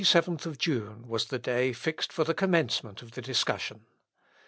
The 27th of June was the day fixed for the commencement of the discussion.